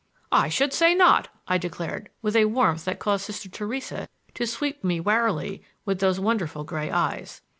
"I should say not," I declared with a warmth that caused Sister Theresa to sweep me warily with those wonderful gray eyes.